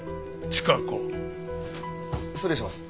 失礼します。